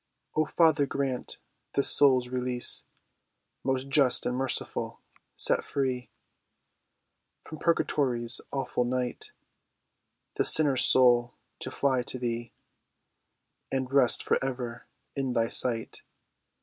"O Father, grant this soul's release. "Most Just and Merciful, set free From Purgatory's awful night This sinner's soul, to fly to Thee, And rest for ever in Thy sight."